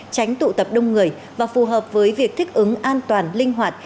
tránh tụ tập đông người và phù hợp với việc thích ứng an toàn linh hoạt